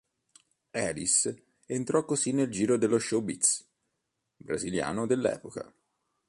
Elis entrò così nel giro dello "showbiz" brasiliano dell'epoca.